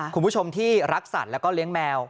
คุณผู้ชมที่รักสัตว์แล้วก็เลี้ยงแมว